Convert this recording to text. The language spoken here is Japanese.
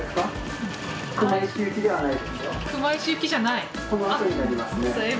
熊石行きじゃない？